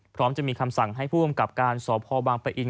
พร้อมจะมีคำสั่งให้ผู้กำกับการสพบางปะอิน